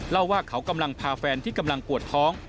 เล่าว่าเขากำลังพาแฟนที่กำลังปวดท้อง